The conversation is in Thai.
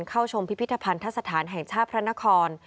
เข้าชมพิพิธภัณฑสถานแห่งชาติพระนคร